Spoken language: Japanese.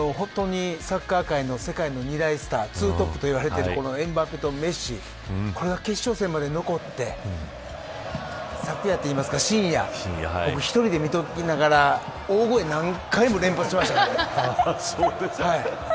本当にサッカー界の世界の２大スターツートップと言われているエムバペとメッシこれが決勝戦まで残って昨夜というか深夜僕、１人で見ながら大声、何回も連発しましたね。